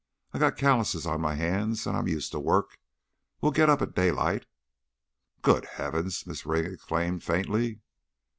I got callouses on my hands and I'm used to work. We'll get up at daylight " "Good heavens!" Mrs. Ring exclaimed, faintly.